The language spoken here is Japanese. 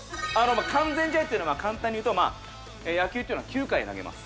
完全試合っていうのは簡単に言うとまあ野球っていうのは９回投げます。